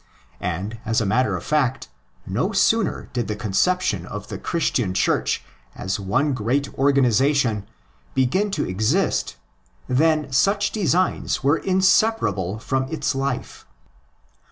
And, asa matter of fact, no sooner did the conception of the Christian Church as one great organisation begin to exist than such designs were inseparable from its life.